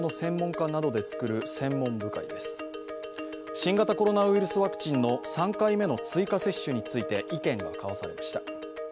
新型コロナウイルスワクチンの３回目の追加接種について意見が交わされました。